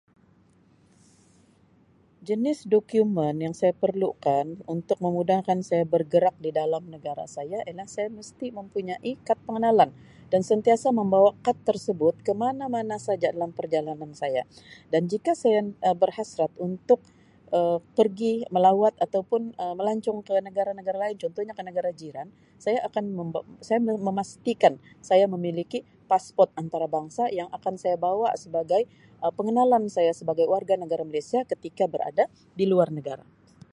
Jenis dokumen yang saya perlukan untuk memudahkan saya bergerak ke dalam negara saya ialah saya mesti mempunyai kad pengenalan dan sentiasa membawa kad tersebut ke mana-mana saja dalam perjalanan saya dan jika saya berhasrat Um untuk pergi melawat atau pun Um melancong ke negara-negara lain contohnya ke negara jiran saya akan memba-saya memastikan saya memiliki pasport antarabangsa yang akan saya bawa sebagai Um pengenalan saya sebagai warganegara Malaysia ketika berada di luar negara.